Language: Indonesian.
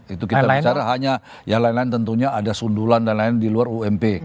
itu kita bicara hanya yang lain lain tentunya ada sundulan dan lain lain di luar ump